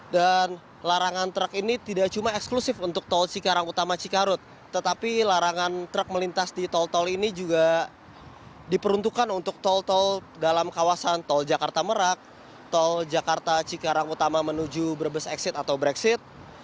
dan larangan truk ini tidak cuma eksklusif untuk tol cikarang utama cikarut tetapi larangan truk melintas di tol tol ini juga diperuntukkan untuk tol tol dalam kawasan tol jakarta merak tol jakarta cikarang utama menuju brebes exit atau brexit